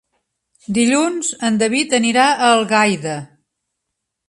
Dilluns en David anirà a Algaida.